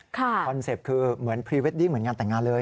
คอนเซ็ปต์คือเหมือนพรีเวดดิ้งเหมือนงานแต่งงานเลย